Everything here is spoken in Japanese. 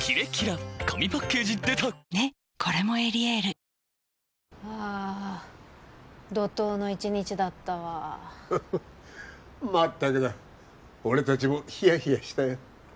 フンああ怒濤の一日だったわフフッまったくだ俺達もヒヤヒヤしたよ